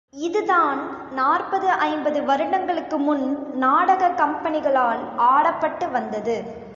இதுதான் நாற்பது ஐம்பது வருடங்களுக்குமுன் நாடகக் கம்பெனிகளால் ஆடப்பட்டு வந்தது.